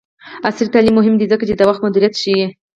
عصري تعلیم مهم دی ځکه چې د وخت مدیریت ښيي.